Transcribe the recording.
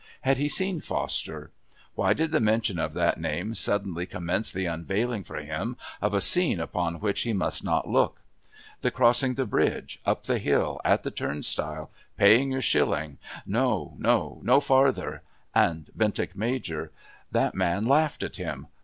Had he seen Foster? Why did the mention of that name suddenly commence the unveiling for him of a scene upon which, he must not look? The crossing the bridge, up the hill, at the turnstile, paying your shilling...no, no, no farther. And Bentinck Major! That man laughed at him!